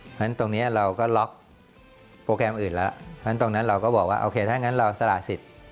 เพราะฉะนั้นตรงนี้เราก็ล็อกโปรแกรมอื่นแล้วเพราะฉะนั้นตรงนั้นเราก็บอกว่าโอเคถ้างั้นเราสละสิทธิ์